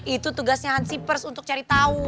itu tugasnya hansi pers untuk cari tahu